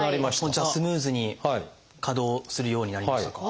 じゃあスムーズに稼働するようになりましたか？